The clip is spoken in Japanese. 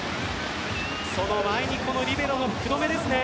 その前にリベロの福留ですね。